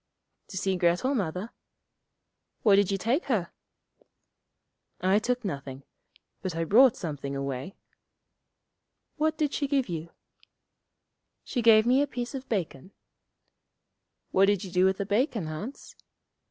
'To see Grettel, Mother.' 'What did you take her?' 'I took nothing. But I brought something away.' 'What did she give you?' 'She gave me a piece of bacon.' 'What did you do with the bacon, Hans?'